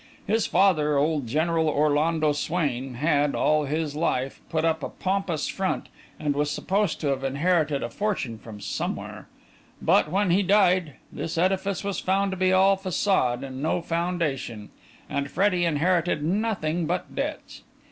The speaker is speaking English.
His father, old General Orlando Swain, had, all his life, put up a pompous front and was supposed to have inherited a fortune from somewhere; but, when he died, this edifice was found to be all façade and no foundation, and Freddie inherited nothing but debts.